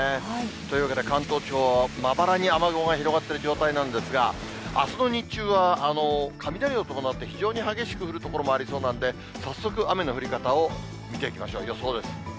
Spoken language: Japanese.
というわけで、関東地方はまばらに雨雲が広がっている状態なんですが、あすの日中は雷を伴って、非常に激しく降る所もありそうなんで、早速、雨の降り方を見ていきましょう、予想です。